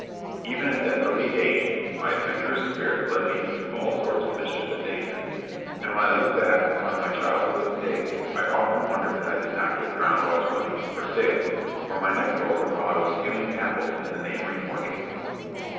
Even at that early age my adventurous spirit led me into all sorts of mischief and danger, and when I look back upon my childhood's days I often wonder that I did not get drowned while swimming or sailing, or my neck broken while I was stealing apples in the neighboring orchards.